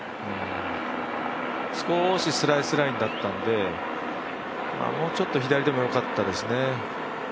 少しスライスラインだったんでもうちょっと左でもよかったですね。